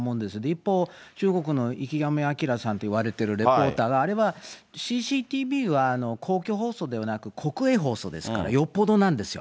一方、中国の池上彰さんっていわれているレポーターが、あれはＣＣＴＶは公共放送ではなく、国営放送ですから、よっぽどなんですよ。